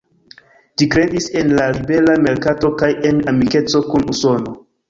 Ĝi kredis en la libera merkato kaj en amikeco kun Usono.